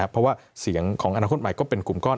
เพราะว่าเสียงของอนาคตใหม่ก็เป็นกลุ่มก้อน